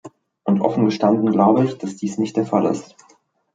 Und offen gestanden glaube ich, dass dies nicht der Fall ist.